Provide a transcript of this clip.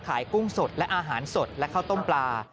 กุ้งสดและอาหารสดและข้าวต้มปลา